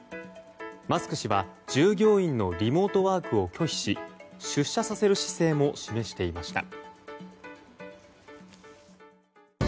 マスク氏は従業員のリモートワークを拒否し出社させる姿勢も示していました。